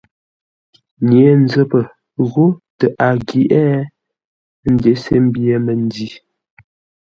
Nye-nzəpə ghó tə a ghyeʼé ə́ nděse ḿbyé məndǐ.